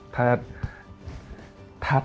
ถ้า